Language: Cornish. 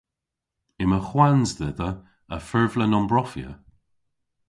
Yma hwans dhedha a furvlen ombrofya.